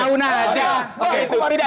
baik kemarin baik